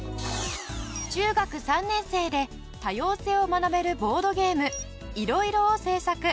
中学３年生で多様性を学べるボードゲームＩＲＯＩＲＯを制作。